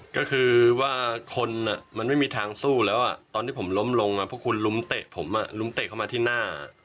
ก็คือว่าคนมันไม่มีทางสู้แล้วตอนที่ผมล้มลงพวกคุณลุมเตะผมลุมเตะเข้ามาที่หน้า